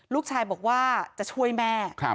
ลูกชายบอกว่าจะช่วยแม่